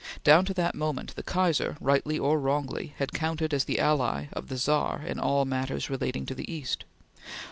Down to that moment, the Kaiser, rightly or wrongly, had counted as the ally of the Czar in all matters relating to the East.